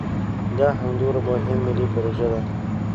دا همدومره مهمه ملي پروژه ده.